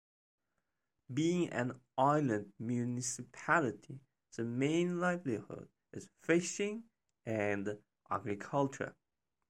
Being an island municipality, the main livelihood is fishing and agriculture.